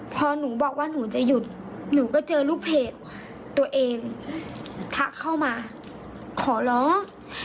พอหนูบอกว่าหนูจะหยุดหนูก็เจอลูกเพจตัวเองทักเข้ามาขอร้อง